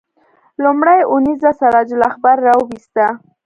لومړۍ اونیزه سراج الاخبار راوویسته.